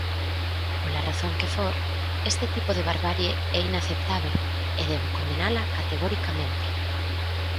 Pola razón que for, este tipo de barbarie é inaceptábel e debo condenala categoricamente.